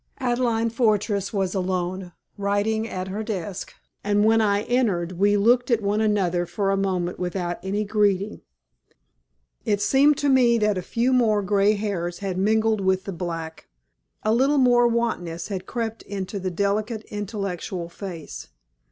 Adelaide Fortress was alone, writing at her desk, and when I entered we looked at one another for a moment without any greeting. It seemed to me that a few more grey hairs had mingled with the black a little more wanness had crept into the delicate, intellectual face.